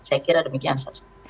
saya kira demikian saja